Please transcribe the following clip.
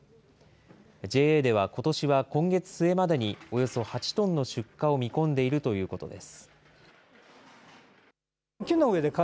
ＪＡでは、ことしは今月末までにおよそ８トンの出荷を見込んでいるということです。